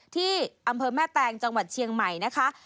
ที่อำเภอแม่แตงจังหวัดเชียงใหม่นะคะ